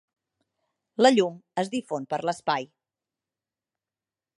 La llum es difon per l'espai.